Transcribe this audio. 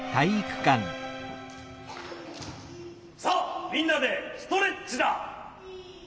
さあみんなでストレッチだ。